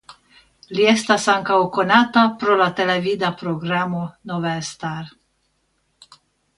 Li estas ankaŭ konata pro la televida programo "Nouvelle Star".